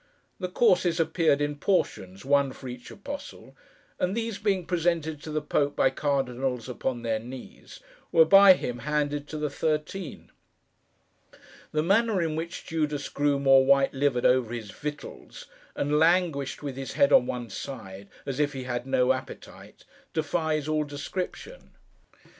The courses appeared in portions, one for each apostle: and these being presented to the Pope, by Cardinals upon their knees, were by him handed to the Thirteen. The manner in which Judas grew more white livered over his victuals, and languished, with his head on one side, as if he had no appetite, defies all description.